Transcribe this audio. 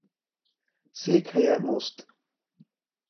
Székhelye Most.